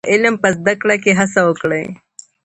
د علم په زده کړه کي هڅه وکړئ.